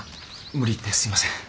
無理言ってすいません。